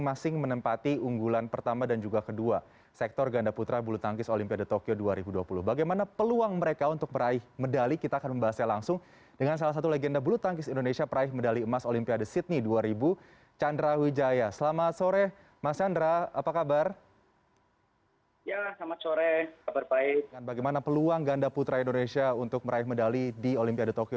bagaimana peluang ganda putra indonesia untuk meraih medali di olimpiade tokyo dua ribu dua puluh ini